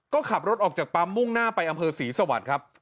ก็ขับรถออกจากปั๊มมุ่งหน้าไปอำเภอศรีสวรรค์ครับ